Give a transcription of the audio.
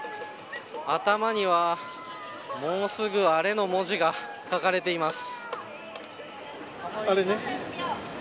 頭には、もうすぐアレの文字が書かれています。